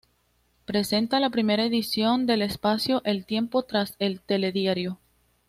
Presenta la primera edición del espacio "El Tiempo", tras el Telediario.